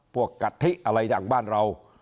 พวกกะทิอะไรจากบ้านเรา